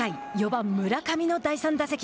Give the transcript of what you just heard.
４番村上の第３打席。